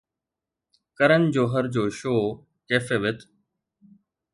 ڪرن جوهر جو show Koffee with